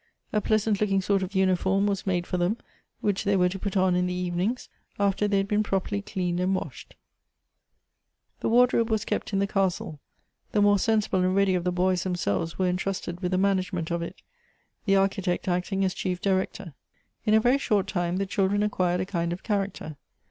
A pleas.ant looking sort of uniform was made for them, which they were to put on in the evenings, after they had been properly cleaned and washed. The wardrobe was Elective Affinities. 139 kept in the castle ; the more sensible and ready of the boys themselves were entrusted with the management of it — the Architect acting as chief director. In a very short time, the children acquired a kind of character.